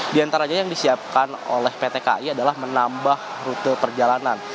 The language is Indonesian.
di antaranya yang disiapkan oleh pt kai adalah menambah rute perjalanan